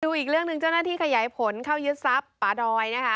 อีกเรื่องหนึ่งเจ้าหน้าที่ขยายผลเข้ายึดทรัพย์ป่าดอยนะคะ